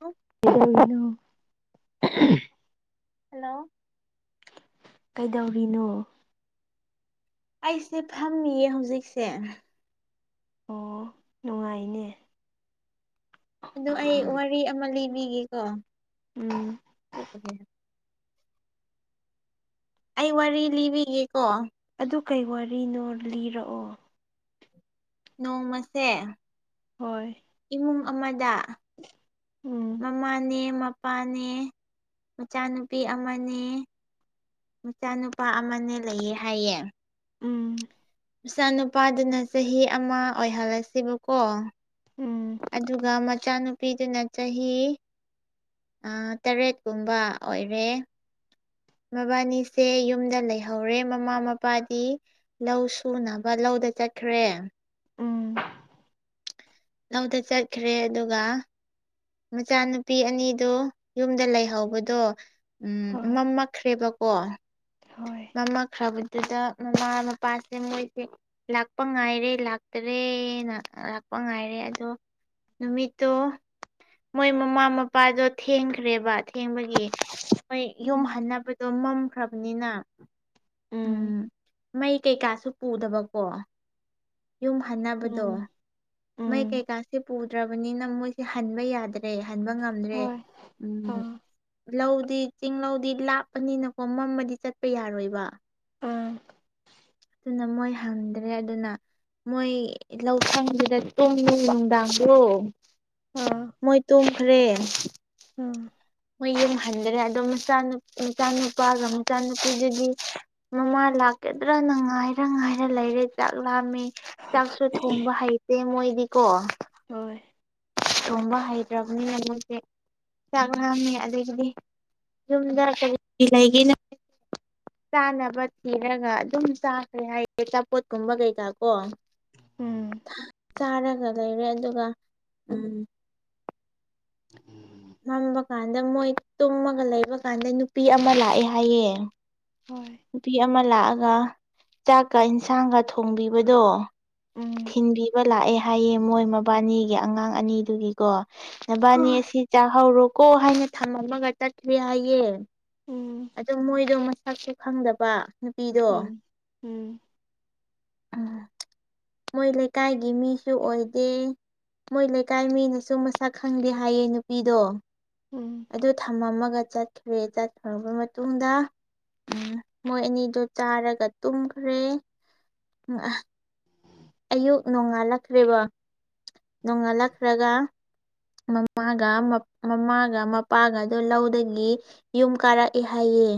ꯍ [inaudible] ꯅꯣ [unintelligible] ꯍꯜꯂꯣ ꯀꯩꯗꯧꯔꯤꯅꯣ ꯑꯩꯁꯦ ꯐꯝꯃꯤꯌꯦ ꯍꯧꯖꯤꯛꯁꯦ ꯑꯣ ꯅꯨꯡꯉꯥꯏꯅꯦ ꯑꯗꯣ ꯑꯩ ꯋꯥꯔꯤ ꯑꯃ ꯂꯤꯕꯤꯒꯦꯀꯣ ꯎꯝ [unintelligible] ꯑꯩ ꯋꯥꯔꯤ ꯂꯤꯕꯤꯒꯦꯀꯣ ꯑꯗꯨ ꯀꯩ ꯋꯥꯔꯤꯅꯣ ꯂꯤꯔꯛꯑꯣ ꯅꯣꯡꯃꯁꯦ ꯍꯣꯏ ꯏꯃꯨꯡ ꯑꯃꯗ ꯎꯝ ꯃꯃꯥꯅꯦ ꯃꯄꯥꯅꯦ ꯃꯆꯥꯅꯨꯄꯤ ꯑꯃꯅꯦ ꯃꯆꯥꯅꯨꯄꯥ ꯑꯃꯅꯦ ꯂꯩꯌꯦ ꯍꯥꯏꯌꯦ ꯎꯝ ꯃꯆꯥꯅꯨꯄꯥꯗꯨꯅ ꯆꯍꯤ ꯑꯃ ꯑꯣꯏꯍꯜꯂꯁꯦꯕꯀꯣ ꯎꯝ ꯑꯗꯨꯒ ꯃꯆꯥꯅꯨꯄꯤꯗꯨꯅ ꯆꯍꯤ ꯑ꫰ꯇꯔꯦꯠꯀꯨꯝꯕ ꯑꯣꯏꯔꯦ ꯃꯕꯥꯅꯤꯁꯦ ꯌꯨꯝꯗ ꯂꯩꯍꯧꯔꯦ ꯃꯃꯥ ꯃꯄꯥꯗꯤ ꯂꯧ ꯁꯨꯅꯕ ꯂꯧꯗ ꯆꯠꯈ꯭ꯔꯦ ꯎꯝ ꯂꯧꯗ ꯆꯠꯈ꯭ꯔꯦ ꯑꯗꯨꯒ ꯃꯆꯥꯅꯨꯄꯤ ꯑꯅꯤꯗꯣ ꯌꯨꯝꯗ ꯂꯩꯍꯧꯕꯗꯣ ꯎꯝ ꯍꯣꯏ ꯃꯝꯃꯛꯈ꯭ꯔꯦꯕꯀꯣ ꯍꯣꯏ ꯃꯃꯈ꯭ꯔꯕꯗꯨꯗ ꯃꯃꯥ ꯃꯄꯥꯁꯦ ꯃꯣꯏꯁꯦ ꯂꯥꯛꯄ ꯉꯥꯏꯔꯦ ꯂꯥꯛꯇꯔꯦꯅ ꯂꯥꯛꯄ ꯉꯥꯏꯔꯦ ꯑꯗꯣ ꯅꯨꯃꯤꯠꯇꯨ ꯃꯣꯏ ꯃꯃꯥ ꯃꯄꯥꯗꯣ ꯊꯦꯡꯈ꯭ꯔꯦꯕ ꯊꯦꯡꯕꯒꯤ ꯃꯣꯏ ꯌꯨꯝ ꯎꯝ ꯍꯟꯅꯕ ꯑꯣ ꯃꯝꯈ꯭ꯔꯕꯅꯤꯅ ꯎꯝ ꯃꯩ ꯀꯩꯀꯥꯁꯨ ꯄꯨꯗꯕꯀꯣ ꯌꯨꯝ ꯍꯟꯅꯕꯗꯣ ꯎꯝ ꯃꯩ ꯎꯝ ꯀꯩꯀꯥꯁꯦ ꯄꯨꯗ꯭ꯔꯕꯅꯤꯅ ꯃꯣꯏꯁꯦ ꯍꯟꯕ ꯌꯥꯗ꯭ꯔꯦ ꯍꯟꯕ ꯉꯝꯗ꯭ꯔꯦ ꯍꯣꯏ ꯑꯥ ꯎꯝ ꯂꯧꯗꯤ ꯆꯤꯡ ꯂꯧꯗꯤ ꯂꯥꯞꯄꯅꯤꯅꯀꯣ ꯃꯃꯗꯤ ꯆꯠꯄ ꯌꯥꯔꯣꯏꯕ ꯑꯥ ꯑꯗꯨꯅ ꯃꯣꯏ ꯍꯪꯗ꯭ꯔꯦ ꯑꯗꯨꯅ ꯃꯣꯏ ꯂꯧꯁꯪꯒꯤꯗ ꯇꯨꯝꯃꯦ ꯅꯨꯡꯗꯥꯡꯗꯣ ꯑꯥ ꯃꯣꯏ ꯇꯨꯝꯈ꯭ꯔꯦ ꯎꯝ ꯃꯣꯏ ꯌꯨꯝꯍꯟꯗ꯭ꯔꯦ ꯑꯗꯣ ꯃꯆꯥꯅꯨ ꯃꯆꯥꯅꯨꯄꯥꯒ ꯃꯆꯥꯅꯨꯄꯤꯗꯨꯗꯤ ꯃꯃꯥ ꯂꯥꯛꯀꯗ꯭ꯔꯥꯅ ꯉꯥꯏꯔ ꯉꯥꯏꯔ ꯂꯩꯔꯦ ꯆꯥꯛ ꯂꯥꯝꯃꯦ ꯆꯥꯛꯁꯨ ꯊꯣꯡꯕ ꯍꯩꯇꯦ ꯃꯣꯏꯗꯤꯀꯣ ꯍꯣꯏ ꯊꯣꯡꯕ ꯍꯩꯇ꯭ꯔꯕꯅꯤꯅ ꯃꯣꯏꯁꯦ ꯆꯥꯛ ꯂꯥꯝꯃꯦ ꯑꯗꯒꯤꯗꯤ ꯌꯨꯝꯗ [unintelligible] ꯆꯥꯅꯕ ꯊꯤꯔꯒ ꯑꯗꯨꯝ ꯆꯥꯈ꯭ꯔꯦ ꯍꯥꯏꯔꯦ ꯑꯆꯥꯄꯣꯠꯀꯨꯝꯕ ꯀꯩꯀꯥ ꯀꯣ ꯎꯝ ꯆꯥꯔꯒ ꯂꯩꯔꯦ ꯑꯗꯨꯒ ꯎꯝ ꯎꯝ ꯃꯝꯕ ꯀꯥꯟꯗ ꯃꯣꯏ ꯇꯨꯝꯃꯒ ꯂꯩꯕ ꯀꯥꯟꯗ ꯅꯨꯄꯤ ꯑꯃ ꯂꯥꯛꯑꯦ ꯍꯥꯏꯌꯦ ꯍꯣꯏ ꯅꯨꯄꯤ ꯑꯃ ꯂꯥꯛꯑꯒ ꯆꯥꯛꯀ ꯏꯟꯁꯥꯡꯒ ꯊꯣꯡꯕꯤꯕꯗꯣ ꯎꯝ ꯊꯤꯟꯕꯤꯕ ꯂꯥꯛꯑꯦ ꯍꯥꯏꯌꯦ ꯃꯣꯏ ꯃꯕꯥꯅꯤꯒꯤ ꯑꯉꯥꯡ ꯑꯅꯤꯗꯨꯒꯤꯀꯣ ꯅꯕꯥꯅꯤ ꯍꯣꯏ ꯑꯁꯤ ꯆꯥꯍꯧꯔꯣꯀꯣ ꯍꯥꯏꯅ ꯊꯝꯃꯃꯒ ꯆꯠꯈꯦ ꯍꯥꯏꯌꯦ ꯎꯝ ꯑꯗꯨꯣ ꯃꯣꯏꯗꯣ ꯃꯁꯛꯁꯨ ꯈꯪꯗꯕ ꯅꯨꯄꯤꯗꯣ ꯎꯝ ꯎꯝ ꯎꯝ ꯃꯣꯏ ꯂꯩꯀꯥꯏꯒꯤ ꯃꯤꯁꯨ ꯑꯣꯏꯗꯦ ꯃꯣꯏ ꯂꯩꯀꯥꯏ ꯃꯤꯅꯁꯨ ꯃꯁꯛ ꯈꯪꯗꯦ ꯍꯥꯏꯌꯦ ꯅꯨꯄꯤꯗꯣ ꯎꯝ ꯑꯗꯨ ꯊꯝꯃꯝꯃꯒ ꯆꯠꯈ꯭ꯔꯦ ꯆꯠꯈꯔꯕ ꯃꯇꯨꯡꯗ ꯎꯝ ꯃꯣꯏ ꯑꯅꯤꯗꯨ ꯆꯥꯔꯒ ꯇꯨꯝꯈ꯭ꯔꯦ ꯎ ꯑ ꯑꯌꯨꯛ ꯅꯣꯡꯉꯥꯜꯂꯛꯈ꯭ꯔꯦꯕ ꯅꯣꯡꯉꯥꯜꯂꯛꯈ꯭ꯔꯒ ꯃꯃꯥꯒ ꯃꯃꯥꯒ ꯃꯄꯥꯒꯗ ꯂꯧꯗꯒꯤ ꯌꯨꯝ ꯀꯥꯔꯛꯑꯦ ꯍꯥꯏꯌꯦ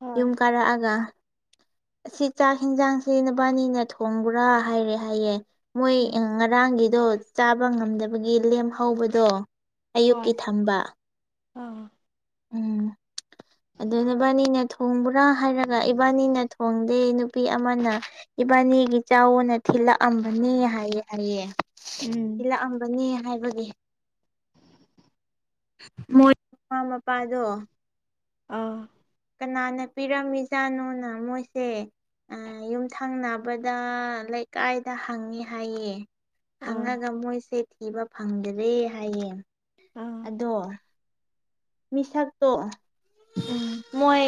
ꯍꯣꯏ ꯌꯨꯝ ꯀꯥꯔꯛꯑꯒ ꯑꯁꯤ ꯆꯥꯛ ꯌꯦꯟꯖꯥꯡꯁꯦ ꯅꯨꯕꯥꯅꯤꯅ ꯊꯣꯡꯕ꯭ꯔꯥ ꯍꯥꯏꯔꯦ ꯍꯥꯏꯌꯦ ꯃꯣꯏ ꯎꯝ ꯉꯔꯥꯡꯒꯤꯗꯣ ꯆꯥꯕ ꯉꯝꯗꯕꯒꯤ ꯂꯦꯝꯍꯧꯕꯗꯣ ꯍꯣꯏ ꯑꯌꯨꯛꯀꯤ ꯊꯝꯕ ꯑꯥ ꯎꯝ ꯑꯗꯨ ꯅꯕꯥꯅꯤꯅ ꯊꯣꯡꯕ꯭ꯔꯥ ꯍꯥꯏꯔꯒ ꯏꯕꯥꯅꯤꯅ ꯍꯣꯡꯗꯦ ꯅꯨꯄꯤ ꯑꯃꯅ ꯏꯕꯥꯅꯤꯒꯤ ꯆꯥꯎꯅ ꯊꯤꯜꯂꯛꯑꯝꯕꯅꯤ ꯍꯥꯏꯌꯦ ꯍꯥꯏꯌꯦ ꯎꯝ ꯊꯤꯜꯂꯛꯑꯝꯕꯅꯤ ꯍꯥꯏꯕꯒꯤ ꯃꯣꯏ ꯃꯃꯥ ꯃꯄꯥꯗꯣ ꯑꯥ ꯀꯅꯥꯅ ꯄꯤꯔꯝꯃꯤꯖꯥꯠꯅꯣꯅ ꯃꯣꯏꯁꯦ ꯌꯨꯝꯊꯪꯅꯕꯗ ꯂꯩꯀꯥꯏꯗ ꯍꯪꯉꯦ ꯍꯥꯏꯌꯦ ꯑꯥ ꯍꯪꯉꯒ ꯃꯣꯏꯁꯦ ꯊꯤꯕ ꯐꯪꯗ꯭ꯔꯦ ꯍꯥꯏꯌꯦ ꯑꯝ ꯑꯗꯣ ꯃꯤꯁꯛꯇꯣ ꯎꯝ ꯃꯣꯏ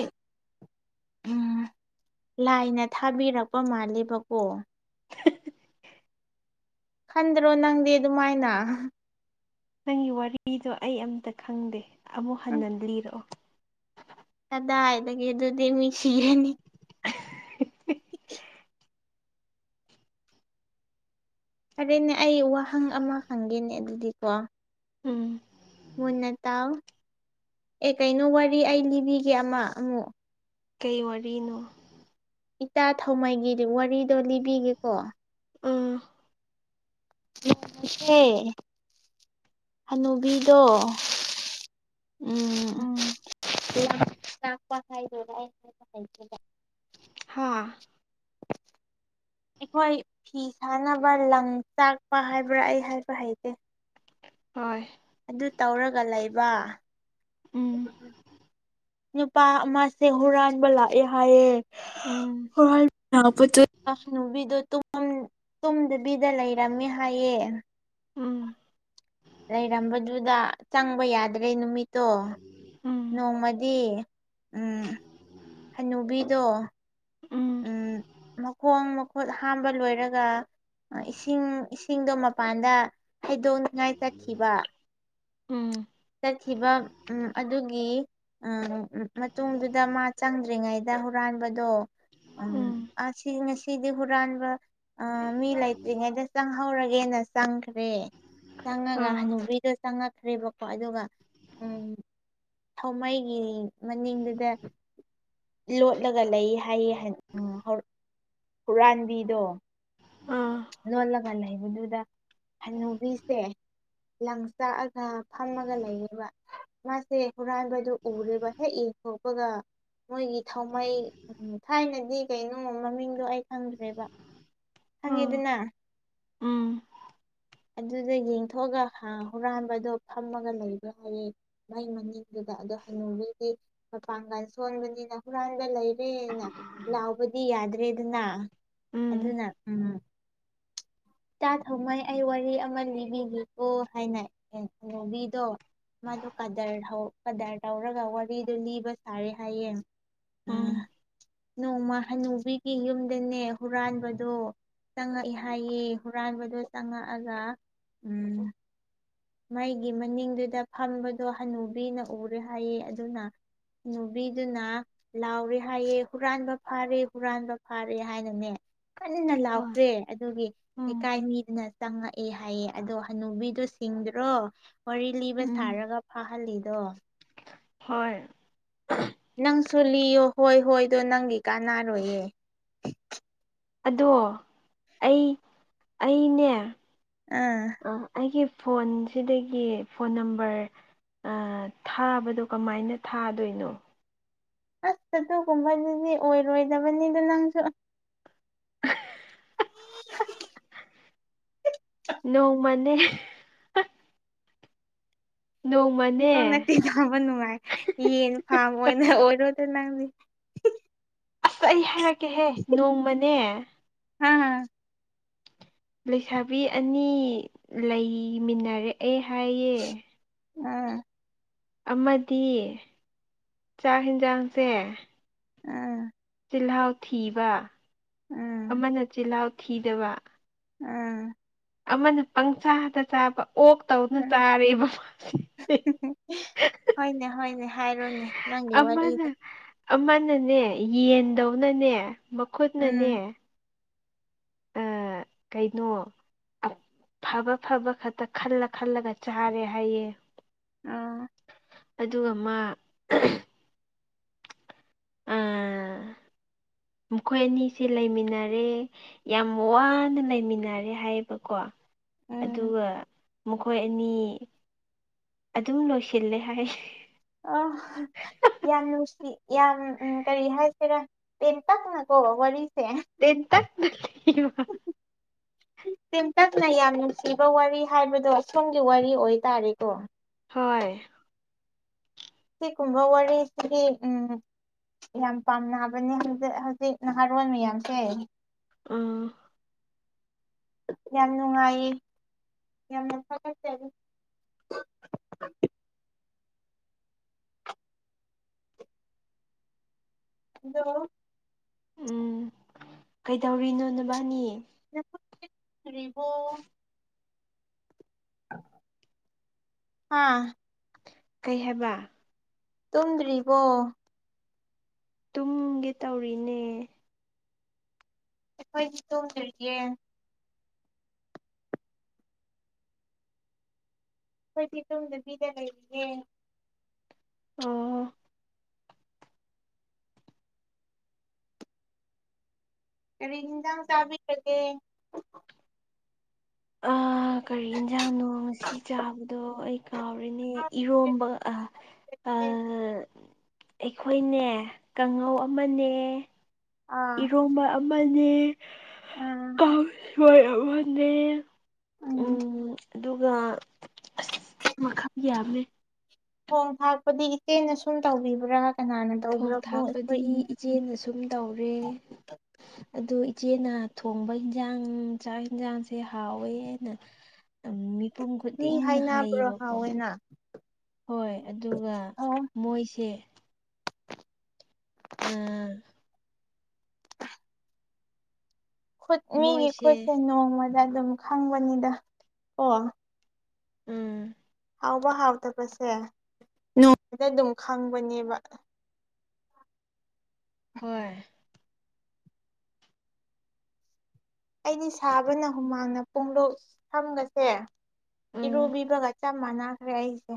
ꯎꯝ ꯂꯥꯏꯅ ꯊꯥꯕꯤꯔꯛꯄ ꯃꯥꯜꯂꯦꯕꯀꯣ ꯈꯟꯗ꯭ꯔꯣ ꯅꯪꯗꯤ ꯑꯗꯨꯃꯥꯏꯅ ꯅꯪꯒꯤ ꯋꯥꯔꯤꯗꯣ ꯑꯩ ꯑꯝꯇ ꯈꯪꯗꯦ ꯑꯃꯨꯛ ꯎꯝ ꯍꯟꯅ ꯂꯤꯔꯛꯑꯣ ꯀꯗꯥꯏꯗꯒꯤ ꯑꯗꯨꯗꯤ ꯃꯤ ꯁꯤꯔꯅꯤ [unintelligible] [unintelligible] ꯐꯔꯦꯅꯦ ꯑꯩ ꯋꯥꯍꯪ ꯑꯃ ꯍꯪꯒꯦꯅꯦ ꯑꯗꯨꯗꯤꯀꯣ ꯎꯝ ꯃꯨꯟꯅ ꯇꯥꯎ ꯑꯦ ꯀꯩꯅꯣ ꯋꯥꯔꯤ ꯑꯩ ꯂꯤꯕꯤꯒꯦ ꯑꯃ ꯑꯃꯨꯛ ꯀꯩ ꯋꯥꯔꯤꯅꯣ ꯏꯇꯥ ꯊꯧꯃꯥꯏꯒꯤ ꯋꯥꯔꯤꯗꯣ ꯂꯤꯕꯤꯒꯦꯀꯣ ꯎꯝ [unintelligible] ꯍꯅꯨꯕꯤꯗꯣ ꯎꯝ ꯎꯝ [unintelligible] ꯍꯥꯥ [unintelligible] ꯑꯩꯈꯣꯏ ꯐꯤ ꯁꯥꯥꯟꯅꯕ ꯂꯪ ꯆꯥꯛꯄ ꯍꯥꯏꯕ꯭ꯔꯥ ꯑꯩ ꯍꯥꯏꯕ ꯍꯩꯇꯦ ꯍꯣꯏ ꯑꯗꯨ ꯇꯧꯔꯒ ꯂꯩꯕ ꯎꯝ ꯅꯨꯄꯥ ꯑꯃꯁꯦ ꯍꯨꯔꯥꯟꯕ ꯂꯥꯛꯑꯦ ꯍꯥꯏꯌꯦ ꯎꯝ ꯍꯣꯏ ꯍꯣꯏ [unintelligible] ꯇꯨꯝ ꯇꯨꯝꯗꯕꯤꯗ ꯂꯩꯔꯝꯃꯦ ꯍꯥꯏꯌꯦ ꯎꯝ ꯂꯩꯔꯝꯕꯗꯨꯗ ꯆꯪꯕ ꯌꯥꯗ꯭ꯔꯦ ꯅꯨꯃꯤꯠꯇꯣ ꯎꯝ ꯅꯣꯡꯃꯗꯤ ꯎꯝ ꯍꯅꯨꯕꯤꯗꯣ ꯎꯝ ꯃꯈꯣꯡ ꯈꯨꯠ ꯍꯥꯝꯕ ꯂꯣꯏꯔꯒ ꯏꯁꯤꯡ ꯏꯁꯤꯡꯗꯣ ꯃꯄꯥꯟꯗ ꯍꯩꯗꯣꯛꯅꯤꯡꯉꯥꯏ ꯆꯠꯈꯤꯕ ꯎꯝ ꯆꯠꯈꯤꯕ ꯎꯝ ꯑꯗꯨꯒꯤ ꯎꯝ ꯃꯇꯨꯡꯗꯨꯗ ꯃꯥ ꯆꯪꯗ꯭ꯔꯤꯉꯩꯗ ꯍꯨꯔꯥꯟꯕꯗꯣ ꯎꯝ ꯉꯁꯤꯗꯤ ꯍꯨꯔꯥꯟꯕ ꯑ ꯃꯤ ꯂꯩꯇ꯭ꯔꯤꯉꯩꯗ ꯆꯪ ꯍꯧꯔꯒꯦꯅ ꯆꯪꯈ꯭ꯔꯦ ꯆꯪꯉꯒ ꯑꯥ ꯍꯅꯨꯕꯤꯗ ꯆꯪꯉꯛꯈ꯭ꯔꯦꯕ ꯀꯣ ꯑꯗꯨꯒ ꯎꯝ ꯊꯧꯃꯩꯒꯤ ꯃꯅꯤꯡꯗꯨꯗ ꯂꯣꯠꯂꯒ ꯂꯩ ꯍꯥꯏꯌꯦ ꯎ ꯍꯨꯔꯥꯟꯕꯤꯗꯣ ꯑꯥ ꯂꯣꯠꯂꯒ ꯂꯩꯕꯗꯨꯗ ꯍꯅꯨꯕꯤꯁꯦ ꯂꯪ ꯆꯥꯛꯑꯒ ꯐꯝꯃꯒ ꯂꯩꯌ‌ꯦꯕ ꯃꯥꯁꯦ ꯍꯨꯔꯥꯟꯕꯗꯨ‌ ꯎꯔꯦꯕ ꯍꯦꯛ ꯑꯗꯨꯒ ꯃꯣꯏꯒꯤ ꯊꯥꯎꯃꯩ ꯊꯥꯏꯅꯗꯤ ꯀꯩꯅꯣ ꯃꯃꯤꯡꯗꯣ ꯑꯩ ꯈꯪꯗ꯭ꯔꯦꯕ ꯑꯥ ꯈꯪꯏꯗꯅ ꯎꯝ ꯑꯗꯨꯗ ꯌꯦꯡꯊꯣꯛꯑꯒ ꯍꯨꯔꯥꯟꯕꯗꯣ ꯐꯝꯃꯒ ꯂꯩꯕ꯭ꯔ ꯍꯥꯏꯌꯦ ꯃꯩ ꯃꯅꯤꯡꯗꯨꯗ ꯑꯗ ꯍꯅꯨꯕꯤꯗꯤ ꯃꯄꯥꯡꯒꯥꯟ ꯁꯣꯟꯕꯅꯤꯅ ꯍꯨꯔꯥꯟꯕ ꯂꯩ ꯄ‌ꯦꯟꯅ ꯂꯥꯎꯕꯗꯤ ꯌꯥꯗ꯭ꯔꯦꯗꯅ ꯎꯝ ꯑꯗꯨꯅ ꯎꯝ ꯏꯇꯥ ꯊꯧꯃꯩ ꯑꯩ ꯋꯥꯔꯤ ꯑꯃ ꯂꯤꯕꯤꯒꯦꯀꯣ ꯍꯥꯏꯅ ꯍꯅꯨꯕꯤꯗꯣ ꯃꯥꯗ ꯀꯗꯔ ꯀꯗꯔ ꯇꯧꯔꯒ ꯋꯥꯔꯤꯗꯣ ꯂꯤꯕ ꯁꯥꯔꯦ ꯍꯥꯏꯌꯦ ꯎꯝ ꯅꯣꯡꯃ ꯍꯅꯨꯕꯤꯒꯤ ꯌꯨꯝꯗꯅꯦ ꯍꯨꯔꯥꯟꯕꯗꯣ ꯆꯪꯉꯛꯏꯦ ꯍꯥꯏꯌꯦ ꯍꯨꯔꯥꯏꯕꯗꯣ ꯆꯪꯉꯛꯑꯒ ꯃꯩꯒꯤ ꯃꯅꯤꯡꯗꯨꯗ ꯐꯝꯕꯗꯣ ꯍꯅꯨꯕꯤꯅ ꯎꯔꯦ ꯍꯥꯏꯌꯦ ꯑꯗꯨꯅ ꯅꯨꯕꯤꯗꯨꯅ ꯂꯥꯎꯔꯦ ꯍꯥꯏꯌꯦ ꯍꯨꯔꯥꯟꯕ ꯐꯥꯔꯦ ꯍꯨꯔꯥꯟꯕ ꯐꯥꯔꯦ ꯍꯥꯏꯅꯅꯦ ꯀꯟꯅ ꯍꯣꯏ ꯂꯥꯎꯇ꯭ꯔꯦ ꯑꯗꯨꯒꯤ ꯎꯝ ꯑꯅꯤꯗꯨꯅ ꯆꯪꯉꯛꯑꯦ ꯍꯥꯏꯌꯦ ꯑꯗꯣ ꯍꯅꯨꯕꯤꯗꫭ ꯁꯤꯡꯗ꯭ꯔꯣ ꯋꯥꯔꯤ ꯂꯤꯕ ꯎꯝ ꯁꯥꯔꯒ ꯐꯍꯜꯂꯤꯗꯣ ꯍꯣꯏ ꯅꯪ ꯁꯨ ꯂꯤꯌꯣ ꯍꯣꯏ ꯍꯣꯏꯗꯣ ꯅꯪꯒꯤ ꯀꯥꯟꯅꯔꯣꯏꯌꯦ ꯑꯗꯣ ꯑꯩ ꯑꯩꯅꯦ ꯑꯥ ꯑ ꯑꯩꯒꯤ ꯐꯣꯟꯁꯤꯗꯒꯤ ꯐꯣꯟ ꯅꯝꯕꯔ ꯊꯥꯕꯗꯣ ꯀꯃꯥꯏꯅ ꯊꯥꯗꯣꯏꯅꯣ ꯑꯁ ꯑꯗꯨꯒꯨꯝꯕꯗꯨꯗꯤ ꯑꯣꯏꯔꯣꯏꯗꯕꯅꯤꯗ ꯅꯪꯁꯨ ꯑꯁ ꯅꯣꯡꯃꯅꯦ ꯅꯣꯡꯃꯅꯦ ꯁꯣꯛ ꯅꯛꯇꯤ ꯊꯥꯕ ꯅꯨꯡꯉꯥꯏ ꯌꯦꯟ ꯐꯥꯝ ꯑꯣꯏꯅ ꯑꯣꯏꯔꯣꯗ ꯅꯪꯅꯤ ꯑꯁ ꯑꯩ ꯍꯥꯏꯔꯛꯀꯦꯍꯦ ꯅꯣꯡꯃꯅꯦ ꯍꯥ ꯂꯩꯁꯥꯕꯤ ꯑꯅꯤ ꯂꯩꯃꯤꯟꯅꯔꯛꯑꯦ ꯍꯥꯏꯌꯦ ꯑꯝ ꯑꯃꯗꯤ ꯆꯥꯛ ꯌꯦꯟꯁꯥꯡꯁꯦ ꯑꯥ ꯆꯤꯜꯍꯥꯎ ꯊꯤꯕ ꯑꯥ ꯑꯃꯅ ꯆꯤꯜꯍꯥꯎ ꯊꯤꯗꯕ ꯎꯝ ꯑꯃꯅ ꯄꯪꯁꯥꯗ ꯆꯥꯕ ꯑꯣꯛ ꯇꯧꯅ ꯑꯥ ꯆꯥꯔꯕ ꯄ ꯍꯣꯏꯅꯦ ꯍꯣꯏꯅꯦ ꯍꯥꯏꯔꯨꯅꯦ ꯅꯪꯒꯤ ꯑꯃꯅ ꯋꯥꯔꯤꯗ ꯑꯃꯅꯅꯦ ꯌꯦꯟꯗꯧꯅꯅꯦ ꯎꯝ ꯃꯈꯨꯠꯅꯅꯦ ꯑ ꯀꯩꯅꯣ ꯐꯕ ꯐꯕ ꯈꯛꯇ ꯈꯜꯂ ꯈꯜꯂꯒ ꯆꯥꯔꯦ ꯍꯥꯏꯌꯦ ꯑꯥ ꯑꯗꯨꯒ ꯃꯥ [inaudible] ꯃꯈꯣꯏ ꯑꯅꯤꯁꯦ ꯂꯩꯃꯤꯟꯅꯔꯦ ꯌꯥꯝ ꯋꯥꯅ ꯂꯩꯃꯤꯟꯅꯔꯦ ꯍꯥꯏꯌꯦꯕꯀꯣ ꯎꯝ ꯑꯗꯨꯒ ꯃꯈꯣꯏ ꯑꯅꯤ ꯑꯗꯨꯝ ꯂꯣꯏꯁꯤꯜꯂꯦ ꯍꯥꯏ ꯑ ꯌꯥꯝ ꯅꯨꯡꯁꯤ ꯌꯥꯝ ꯀꯔꯤ ꯍꯥꯏꯁꯤꯔꯥ ꯇꯦꯟꯇꯛꯅꯀꯣ ꯋꯥꯔꯤ ꯇꯦꯟ ꯇ ꯅ ꯂꯤꯕ ꯎ ꯇ‌ꯦꯟꯇꯛꯅ ꯌꯥꯝ ꯅꯨꯡꯁꯤꯕ ꯋꯥꯔꯤ ꯍꯥꯏꯕꯗꯣ ꯑꯁꯣꯝꯒꯤ ꯋꯥꯔꯤ ꯑꯣꯏꯇꯥꯔꯦꯀꯣ ꯍꯣꯏ ꯁꯤꯒꯨꯝꯕ ꯋꯥꯔꯤꯁꯤꯗꯤ ꯎꯝ ꯌꯥꯝ ꯄꯥꯝꯅꯕꯅꯦ ꯍꯧꯖꯤꯛ ꯍꯧꯖꯤꯛ ꯅꯍꯥꯔꯣꯜ ꯃꯌꯥꯝꯁꯦ ꯑꯥ ꯌꯥꯝ ꯅꯨꯡꯉꯥꯏꯌꯦ ꯌꯥꯝꯅ ꯐꯒꯠꯆꯔꯤ ꯍꯗꯣ ꯎꯝ ꯀꯩꯗꯧꯔꯤꯅꯣ ꯅꯕꯥꯅꯤ [inaudible] ꯑꯥ ꯀꯩ ꯍꯥꯏꯕ ꯇꯨꯝꯗ꯭ꯔꯤꯕꯣ ꯇꯨꯝꯒꯦ ꯇꯧꯔꯤꯅꯦ꯫ ꯑꯩꯈꯣꯏꯗꯤ ꯇꯨꯝꯗ꯭ꯔꯤꯌꯦ꯫ ꯑꯩꯈꯣꯏꯗꯤ ꯇꯨꯝꯗꯕꯤꯗ ꯂꯩꯔꯤꯌꯦ꯫ ꯑꯣ___ ꯀꯔꯤ ꯍꯦꯟꯖꯥꯡ ꯆꯥꯕꯤꯔꯒꯦ? ꯑꯥ [unintelligible] ꯀꯔꯤ ꯌꯦꯟꯖꯥꯡꯅꯣ ꯉꯁꯤ ꯆꯥꯕꯗꯣ ꯑꯩ ꯀꯥꯎꯔꯦꯅꯦ ꯏꯔꯣꯝꯕ ꯑ꯫ ꯑꯦ [inaudible] ꯑꯩꯈꯣꯏꯅꯦ ꯀꯥꯡꯉꯧ ꯑꯃꯅꯦ____ ꯑꯥ ꯏꯔꯣꯝꯕ ꯑꯃꯅ‌ꯦ ꯎꯝ ꯀꯥꯡꯁꯣꯏ ꯑꯃꯅ‌ꯦ ꯎ ꯑꯗꯨꯒ ꯑꯁ ꯃꯈꯜ ꯌꯥꯝꯃꯦ ꯈꯣꯡ ꯊꯥꯛꯄꯗꯤ ꯏꯆꯦꯅ ꯁꯨꯝ ꯇꯧꯕꯤꯕ꯭ꯔꯥ ꯀꯅꯥꯅ ꯊꯣꯡ ꯇꯧꯕ꯭ꯔꯥꯀꯣ ꯑꯩꯈꯣꯏ ꯊꯥꯛꯄꯗꯤ ꯏꯆꯦꯅ ꯁꯨꯝ ꯇꯧꯔꯦ ꯑꯗꯨ ꯏꯆꯦꯅ ꯊꯣꯡꯕ ꯏꯟꯁꯥꯡ ꯆꯥꯛ ꯌꯦꯟꯁꯥꯡꯁꯦ ꯍꯥꯎꯋꯦꯅ [inaudible] ꯃꯤꯄꯨꯝ ꯃꯤ ꯈꯨꯗꯤꯡꯅ ꯍꯥꯏꯅꯕ꯭ꯔꯣ ꯍꯥꯏꯌꯦꯕꯀꯣ ꯍꯥꯎꯋꯦꯅ ꯍꯣꯏ ꯑꯗꯨꯒ ꯑꯣ ꯃꯣꯏꯁꯦ ꯑꯥ ꯈꯨꯠ ꯃꯤꯒꯤ ꯃꯣꯏꯁꯦ ꯈꯨꯠꯁꯦ ꯅꯣꯡꯃꯗ ꯑꯗꯨꯝ ꯈꯪꯕꯅꯤꯗ ꯑꯣ ꯎꯝ___ ꯍꯥꯎꯕ ꯍꯥꯎꯇꯕꯁꯦ ꯅꯣꯡꯃꯗ ꯑꯗꯨꯝ ꯈꯪꯕꯅꯦꯕ꯫ ꯍꯣꯏ꯫ ꯑꯩꯗꯤ ꯁꯥꯕꯅ ꯍꯨꯃꯥꯡꯅ ꯄꯨꯡꯂꯨꯛ ꯁꯝꯒꯁꯦ ꯎꯝ ꯏꯔꯨꯕꯤꯕꯒ____ ꯆꯞ ꯃꯥꯟꯅꯈ꯭ꯔꯦ ꯑꯩꯁꯦ꯫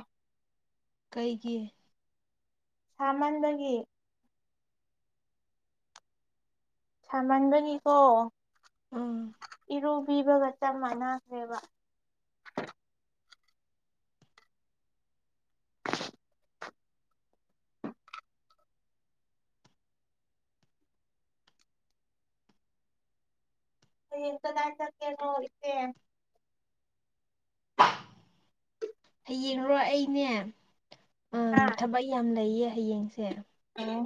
ꯀꯩꯒꯤ? ꯁꯥꯃꯟꯕꯒꯤ꯫ ꯁꯥꯃꯟꯕꯒꯤꯀꯣ ꯎꯝ ꯏꯔꯨꯕꯤꯕꯒ ꯆꯞ ꯃꯥꯟꯅꯈ꯭ꯔꯦꯕ꯫ ꯌꯦ ꯀꯗꯥ ꯆꯠꯀꯦꯅꯣ ꯏꯆꯦ ꯌꯤꯔꯣ ꯑꯩꯅꯦ ꯍꯥ ꯎꯝ ꯊꯕꯛ ꯌꯥꯝ ꯂꯩꯌꯦ ꯍꯌꯦꯡꯁꯦ꯫ ꯑꯣ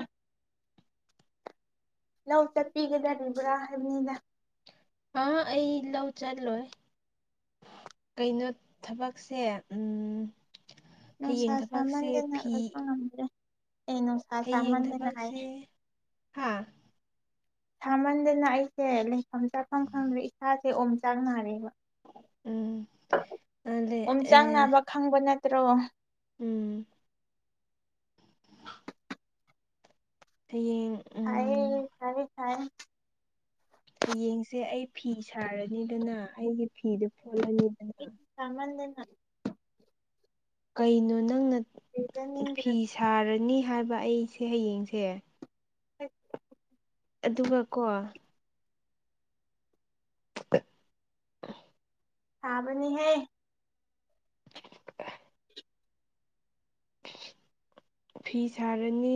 ꯂꯧ ꯆꯠꯄꯤꯒꯗꯧꯔꯤꯕ꯭ꯔꯥ ꯍꯥꯏꯕꯅꯤꯗ꯫ ꯑꯥ ꯑꯩ ꯂꯧ ꯆꯠꯂꯣꯏ꯫ ꯀꯩꯅꯣ ꯊꯕꯛꯁꯦ ꯎꯝ___ ꯅꯨꯡꯁꯥ ꯁꯥꯃꯟꯗꯅ ꯂꯩꯕ ꯉꯝꯗ꯭ꯔꯦ ꯏꯅꯨꯡꯁ__ ꯍꯌꯦꯡ ꯊꯕꯛꯁꯦ ꯍꯥ__ ꯁꯥꯃꯟꯗꯅ ꯑꯩꯁꯦ ꯂꯩꯐꯝ ꯆꯥꯐꯝ ꯈꯪꯗ꯭ꯔꯦ ꯏꯁꯥꯁꯦ ꯑꯣꯝꯆꯥꯛ ꯅꯥꯔꯦꯕ꯫ ꯎꯝ ꯑꯗꯦ ꯑꯣꯝ ꯆꯥꯛ ꯑꯦ ꯅꯥꯕ ꯈꯪꯕ ꯅꯠꯇ꯭ꯔꯣ? ꯎꯝ ꯍꯌꯦꯡ ꯁꯥꯌꯦ ꯎꯝ ꯁꯥꯌꯦ ꯁꯥꯌꯦ ꯍꯌꯦꯡꯁꯦ ꯑꯩ ꯐꯤ ꯁꯥꯔꯅꯤꯗꯅ ꯑꯩꯒꯤ ꯐꯤꯗꯨ ꯐꯣꯠꯂꯅꯤ꯫ ꯁꯥꯃꯟꯗꯅ ꯀꯩꯅꯣ ꯅꯪꯅ ꯂꯩꯖꯅꯤꯡꯗ꯭ꯔꯦ ꯐꯤ ꯁꯥꯔꯅꯤ ꯍꯥꯏꯕ ꯑꯩꯁꯦ ꯍꯌꯦꯡꯁꯦ꯫ ꯑ [inaudible] ꯑꯗꯨꯒ ꯀꯣ꯫ ꯁꯥꯕꯅꯤ ꯍꯦ [inaudible] ꯐꯤ ꯁꯥꯔꯅꯤ